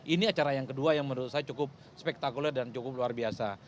ini acara yang kedua yang menurut saya cukup spektakuler dan cukup luar biasa